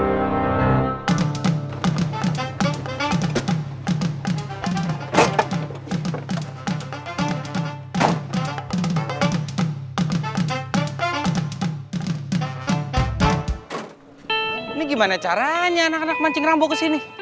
ini gimana caranya anak anak mancing rambu kesini